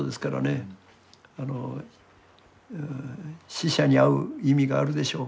死者に会う意味があるでしょう。